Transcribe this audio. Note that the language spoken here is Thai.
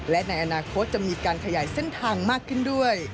และในอนาคตจะมีการขยายเส้นทางมากขึ้นด้วย